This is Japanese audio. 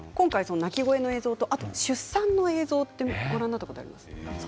鳴き声とあと出産の映像ご覧になったことありますか。